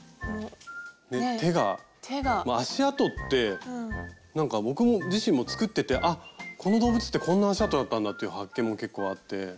手が足あとってなんか僕自身も作っててこの動物ってこんな足あとだったんだって発見も結構あって。